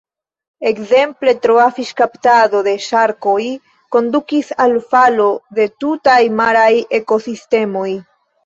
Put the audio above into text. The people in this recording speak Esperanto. Ekzemple, troa fiŝkaptado de ŝarkoj kondukis al falo de tutaj maraj ekosistemoj.